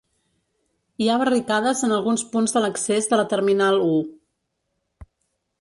Hi ha barricades en alguns punts de l’accés de la terminal u.